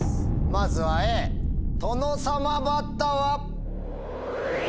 まずはＡ「トノサマバッタ」は？